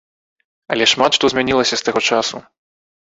Але шмат што змянілася з таго часу.